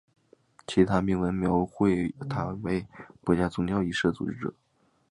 其他铭文描绘他为国家宗教仪式的组织者。